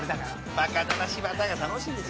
「バカだな柴田」が楽しいんです